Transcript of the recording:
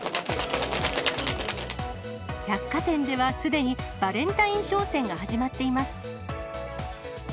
百貨店ではすでにバレンタイン商戦が始まっています。